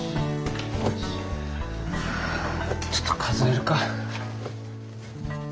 ちょっと数えるか。